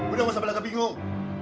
udah gak usah berlaku bingung